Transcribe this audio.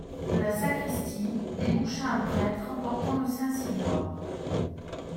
De la sacristie déboucha un prêtre portant le saint-ciboire.